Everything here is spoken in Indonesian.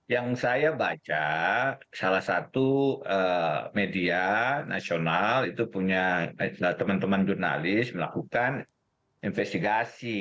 yang saya baca salah satu media nasional itu punya teman teman jurnalis melakukan investigasi